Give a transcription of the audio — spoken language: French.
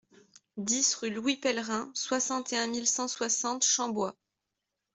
dix rue Louis Pellerin, soixante et un mille cent soixante Chambois